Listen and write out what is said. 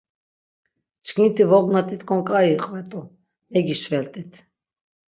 Çkinti vognat̆it̆k̆on k̆ai iqvet̆u, megişvelt̆it.